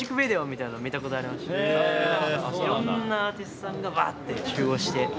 いろんなアーティストさんがバッて集合して。